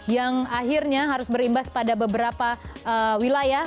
yang akhirnya harus berimbas pada beberapa wilayah